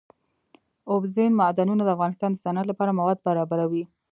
اوبزین معدنونه د افغانستان د صنعت لپاره مواد برابروي.